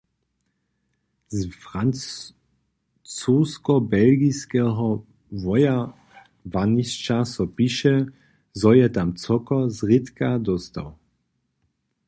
Z francosko-belgiskeho wojowanišća so piše, zo je tam cokor zrědka dóstać.